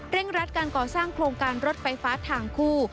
รัดการก่อสร้างโครงการรถไฟฟ้าทางคู่